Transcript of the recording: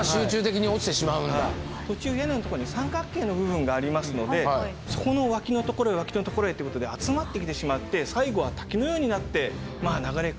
途中屋根のとこに三角形の部分がありますのでそこの脇のところへ脇のところへっていうことで集まってきてしまって最後は滝のようになってまあ流れ下ると。